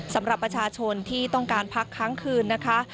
สำหรับประชาชนที่ต้องการพักค้างคืนนะคะ